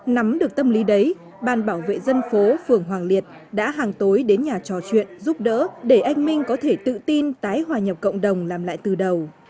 nắm được tâm lý đấy ban bảo vệ dân phố phường hoàng liệt đã hàng tối đến nhà trò chuyện giúp đỡ để anh minh có thể tự tin tái hòa nhập cộng đồng làm lại từ đầu